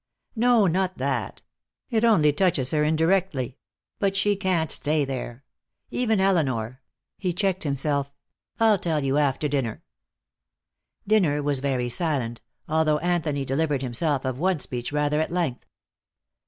"No. Not that. It only touches her indirectly. But she can't stay there. Even Elinor " he checked himself. "I'll tell you after dinner." Dinner was very silent, although Anthony delivered himself of one speech rather at length.